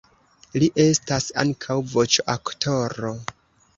Li estas ankaŭ voĉoaktoro.